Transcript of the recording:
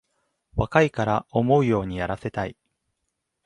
若いから思うようにやらせたい